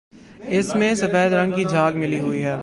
اس میں سفید رنگ کی جھاگ ملی ہوئی ہے